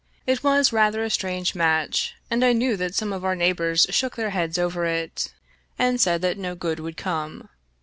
It was rather a strange match, and I knew that some of our neighbors shook their heads over it and said that no good would come.